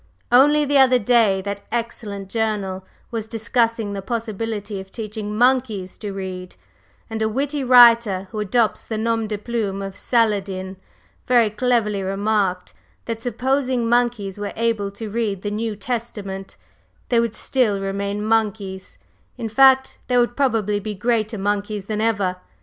Only the other day that excellent journal was discussing the possibility of teaching monkeys to read, and a witty writer, who adopts the nom de plume of 'Saladin,' very cleverly remarked 'that supposing monkeys were able to read the New Testament, they would still remain monkeys; in fact, they would probably be greater monkeys than ever.